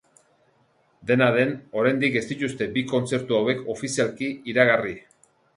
Dena den, oraindik ez dituzte bi kontzertu hauek ofizialki iragarri.